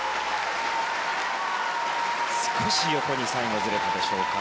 少し横に最後ずれたでしょうか。